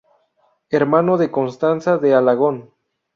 Hermano de Constanza de Alagón.